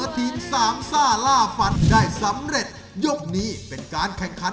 ทีมสามซ่าล่าฟันได้สำเร็จยกนี้เป็นการแข่งขัน